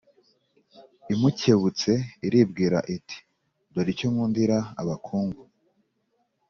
Imukebutse iribwira, iti :« Dore icyo nkundira abakungu